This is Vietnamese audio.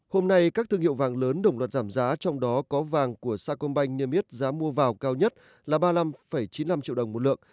hôm nay các thương hiệu vàng lớn đồng loạt giảm giá trong đó có vàng của sacombank niêm yết giá mua vào cao nhất là ba mươi năm chín mươi năm triệu đồng một lượng